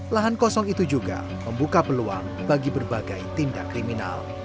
lahan kosong itu juga membuka peluang bagi berbagai tindakan